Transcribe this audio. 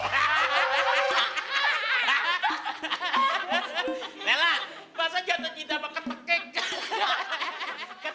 laila pasnya jatuh cinta sama ketekik